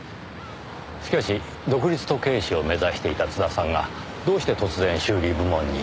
しかし独立時計師を目指していた津田さんがどうして突然修理部門に。